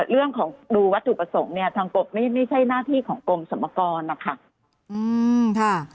เรื่องของดูวัตถุประสงค์เนี่ยทางกรมไม่ใช่หน้าที่ของกรมสรรพากรนะคะ